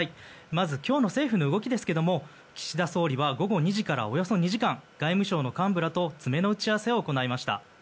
まず今日の政府の動きですが岸田総理は午後２時からおよそ２時間、外務省幹部らと詰めの打ち合わせを行いました。